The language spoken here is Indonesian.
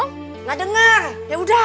enggak dengar yaudah